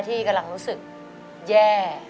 ที่กำลังรู้สึกแย่